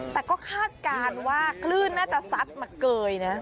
แต่ก็คาดการณ์ว่าคลื่นน่าจะซัดมาเกยนะ